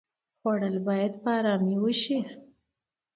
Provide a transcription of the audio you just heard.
خوړل باید په آرامۍ وشي